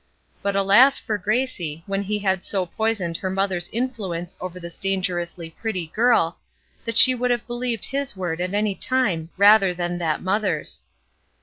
But alas for Gracie, when he had so poisoned her mother's influence over this dangerously pretty girl, that she would have believed his word at any time rather than that mother's.